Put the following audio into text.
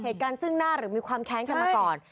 เหตุการณ์ซึ่งหน้าหรือมีความแค้นกันมาก่อน